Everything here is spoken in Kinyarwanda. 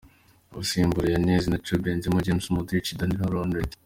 abasimbura : Yanez, Nacho, Benzema, James, Modric, Danilo, Llorente